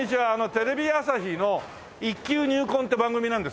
テレビ朝日の「一球入魂」っていう番組なんですけども。